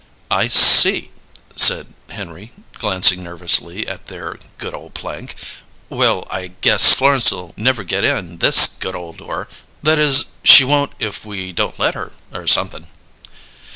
"I see," said Henry, glancing nervously at their good ole plank. "Well, I guess Florence'll never get in this good ole door that is, she won't if we don't let her, or something."